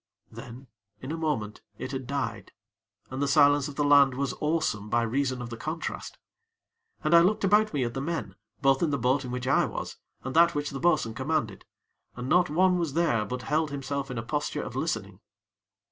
Then, in a moment, it had died, and the silence of the land was awesome by reason of the contrast. And I looked about me at the men, both in the boat in which I was and that which the bo'sun commanded; and not one was there but held himself in a posture of listening.